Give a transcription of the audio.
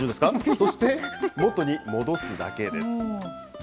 そして元に戻すだけです。